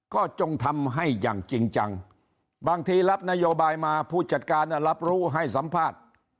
ก็จงทำให้อย่างจริงจังบางทีรับนโยบายมาผู้จัดการรับรู้ให้สัมภาษณ์